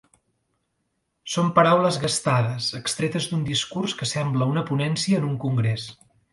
Són paraules gastades, extretes d'un discurs que sembla una ponència en un congrés.